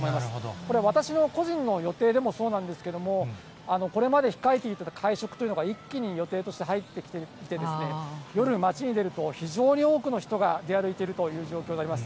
これ、私の個人の予定でもそうなんですけども、これまで控えていた会食というのが一気に予定として入ってきていて、夜、街に出ると非常に多くの人が出歩いているという状況になります。